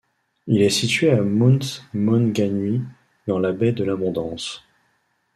Il est situé à Mount Maunganui, dans la Baie de l'Abondance.